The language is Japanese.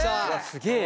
すげえ！